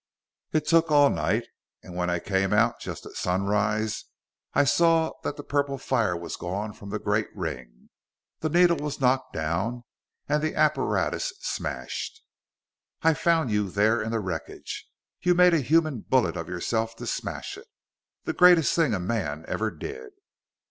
It took all night. And when I came out, just at sunrise, I saw that the purple fire was gone from the great ring. The needle was knocked down, and the apparatus smashed. "I found you there in the wreckage. You made a human bullet of yourself to smash it! The greatest thing a man ever did!"